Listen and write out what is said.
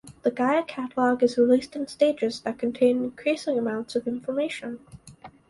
The Gaia catalogue is released in stages that contain increasing amounts of information.